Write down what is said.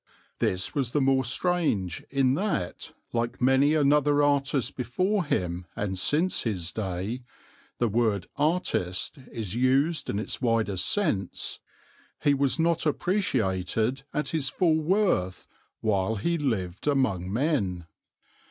This was the more strange in that, like many another artist before him and since his day the word "artist" is used in its widest sense he was not appreciated at his full worth while he lived among men.